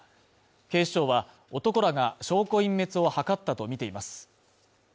警視庁は男らが証拠隠滅を図ったとみています。